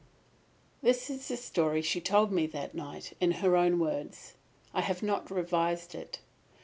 This is the story she told me that night, in her own words. I have not revised it.